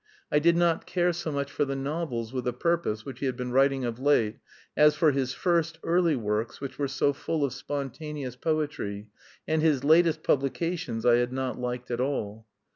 I did not care so much for the novels with a purpose which he had been writing of late as for his first, early works, which were so full of spontaneous poetry, and his latest publications I had not liked at all.